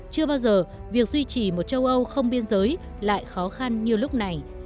chưa bao giờ việc duy trì một châu âu không biên giới lại khó khăn như lúc này